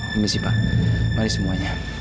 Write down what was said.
terima kasih pak mari semuanya